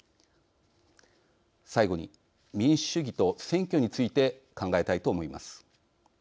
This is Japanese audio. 最後に、民主主義と選挙について考えたいと思います。